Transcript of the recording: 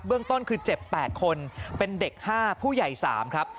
เรื่องต้นคือเจ็บ๘คนเป็นเด็ก๕ผู้ใหญ่๓ครับ